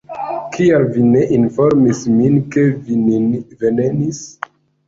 Kial vi ne informis min, ke vi nin venenis?